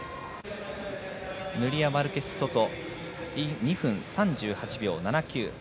ヌリア・マルケスソト２分３８秒７９。